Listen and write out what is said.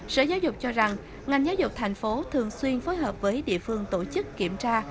sở giáo dục cho rằng ngành giáo dục thành phố thường xuyên phối hợp với địa phương tổ chức kiểm tra